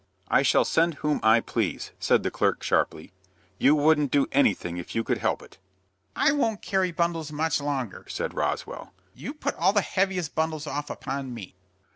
"I shall send whom I please," said the clerk, sharply. "You wouldn't do anything if you could help it." "I won't carry bundles much longer," said Roswell. "You put all the heaviest bundles off upon me."